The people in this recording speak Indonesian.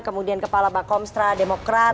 kemudian kepala bakomstra demokrat